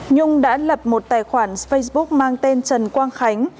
nhung đã lập một tài khoản facebook mang tên trần quang khánh